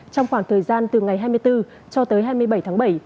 trong khoảng thời gian từ ngày hai mươi bốn cho tới hai mươi bảy tháng bảy